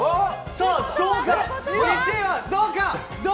さあ、１位は、どうか！